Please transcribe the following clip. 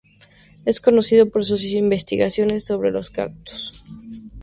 Es conocido por sus investigaciones sobre los cactus.